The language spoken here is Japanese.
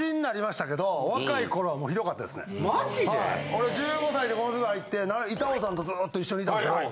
俺１５歳でこの世界入って板尾さんとずっと一緒にいたんですけど。